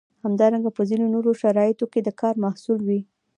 همدارنګه په ځینو نورو شرایطو کې د کار محصول وي.